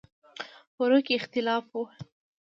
فروع کې اختلاف و.